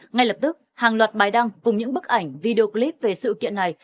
ngay lập tức hàng loạt bài đăng cùng những bức ảnh video clip về sự kiện này